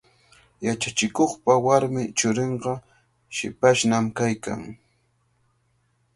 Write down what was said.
Yachachikuqpa warmi churinqa hipashnami kaykan.